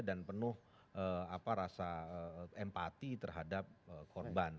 dan penuh apa rasa empati terhadap korban